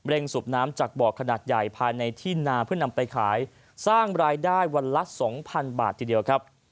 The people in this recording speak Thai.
สูบน้ำจากบ่อขนาดใหญ่ภายในที่นาเพื่อนำไปขายสร้างรายได้วันละสองพันบาททีเดียวครับ